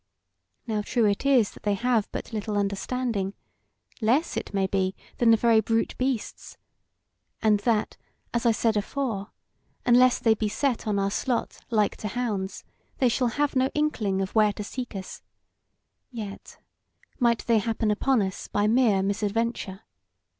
Now true it is that they have but little understanding, less, it may be, than the very brute beasts; and that, as I said afore, unless they be set on our slot like to hounds, they shall have no inkling of where to seek us, yet might they happen upon us by mere misadventure.